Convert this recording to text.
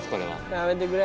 やめてくれ。